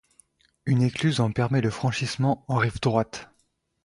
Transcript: Une écluse en permet le franchissement en rive droite.